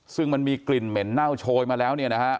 ซึ่งมันมีกลิ่นเหม็นเน่าโชยมาแล้วเนี่ยนะฮะ